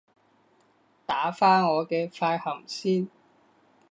打返我嘅快含先